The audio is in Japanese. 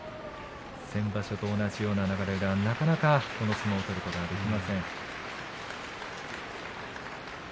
先場所と同じような流れの中で自分の相撲を取ることができません。